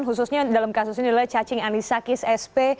khususnya dalam kasus ini adalah cacing anisakis sp